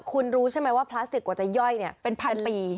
คุณรู้ใช่ไหมว่าพลาสติกกว่าจะย่อยเป็นพันปี